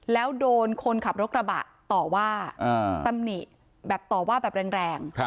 แล้วโดนคนขับรถกระบะต่อว่าตำหนิแบบต่อว่าแบบแรง